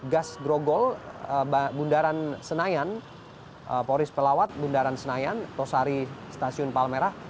gas grogol bundaran senayan polis pelawat bundaran senayan tosari stasiun palmerah